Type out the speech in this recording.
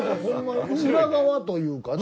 裏側というかね。